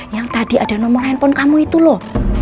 yang tadi ada nomor handphone kamu itu loh